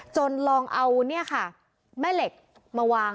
ลองเอาเนี่ยค่ะแม่เหล็กมาวาง